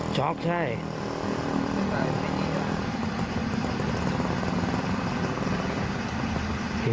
ช็อกใช่